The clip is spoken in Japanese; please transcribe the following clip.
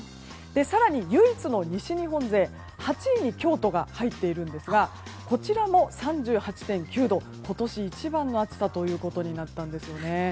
更に唯一の西日本勢８位に京都が入っているんですがこちらも３８．９度と今年一番の暑さということになったんですよね。